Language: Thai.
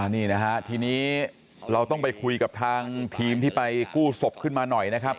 นี่นะฮะทีนี้เราต้องไปคุยกับทางทีมที่ไปกู้ศพขึ้นมาหน่อยนะครับ